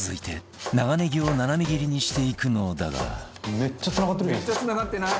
「めっちゃつながってない？